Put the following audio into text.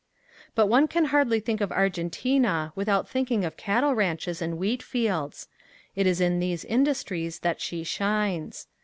But one can hardly think of Argentina without thinking of cattle ranches and wheat fields. It is in these industries that she shines.